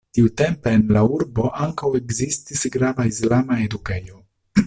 Tiutempe en la urbo ankaŭ ekzistis grava islama edukejo.